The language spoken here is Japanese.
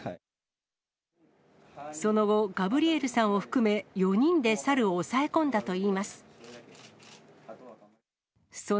その後、ガブリエルさんを含め、４人でサルを押さえ込んだといいます。